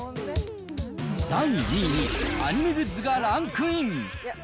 第２位にアニメグッズがランクイン。